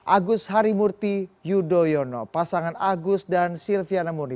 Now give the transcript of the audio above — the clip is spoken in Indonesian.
agus harimurti yudhoyono pasangan agus dan silviana muni